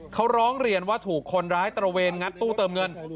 เขาร้องเรียนว่าถูกคนร้ายตระเวนงัดตู้เติมเงิน